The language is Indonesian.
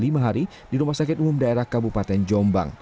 sumiati berangkat selama lima hari di rumah sakit umum daerah kabupaten jombang